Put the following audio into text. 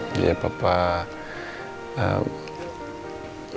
ngecek keadaannya mama lah